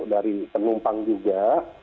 dari penumpang juga